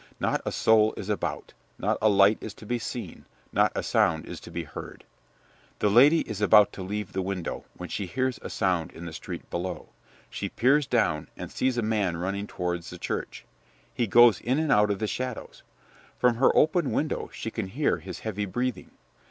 Not a soul is about, not a light is to be seen, not a sound is to be heard. The lady is about to leave the window, when she hears a sound in the street below. She peers down, and sees a man running towards the church; he goes in and out of the shadows. From her open window she can hear his heavy breathing.